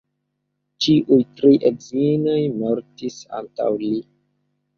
Ĉiuj tri edzinoj mortis antaŭ li.